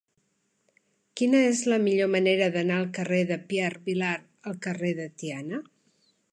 Quina és la millor manera d'anar del carrer de Pierre Vilar al carrer de Tiana?